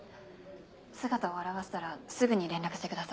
姿を現したらすぐに連絡してください。